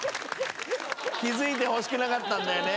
気付いてほしくなかったんだよね。